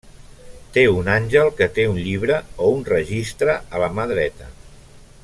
Té un àngel que té un llibre o un registre a la mà dreta.